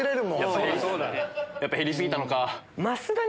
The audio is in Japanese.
やっぱ減り過ぎたのか。